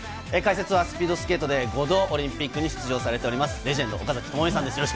解説はスピードスケートで５度オリンピックに出場されております、レジェンド・岡崎朋美さんです。